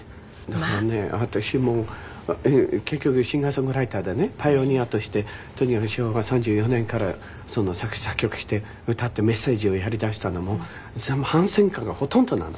だからね私も結局シンガー・ソングライターでねパイオニアとしてとにかく昭和３４年から作詞作曲して歌ってメッセージをやりだしたのもいつでも反戦歌がほとんどなの。